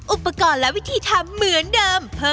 อุปกรณ์และวิธีทำเหมือนเดิม